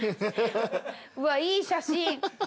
うわっいい写真。